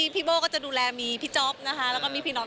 พี่โบ้มีพี่จ๊อบ๒มีพี่น๊อค